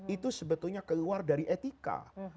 itu sebetulnya keluar dari etika